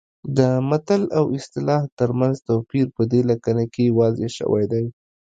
د متل او اصطلاح ترمنځ توپیر په دې لیکنه کې واضح شوی دی